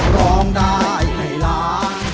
ร้องได้ให้ล้าน